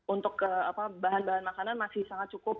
untuk bahan bahan makanan masih sangat cukup